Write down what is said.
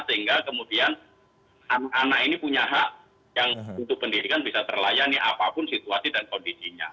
sehingga kemudian anak anak ini punya hak yang untuk pendidikan bisa terlayani apapun situasi dan kondisinya